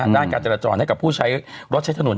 ร่านการจรรย์จอดให้กับผู้ใช้รถทะนุน